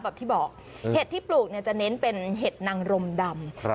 ที่บอกเห็ดที่ปลูกเนี่ยจะเน้นเป็นเห็ดนางรมดำ